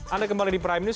anda kembali di prime news